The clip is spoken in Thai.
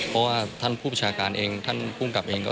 เพราะว่าท่านผู้ประชาการเองท่านภูมิกับเองก็